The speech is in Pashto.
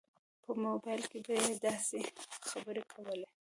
په موبایل کې به یې داسې خبرې کولې.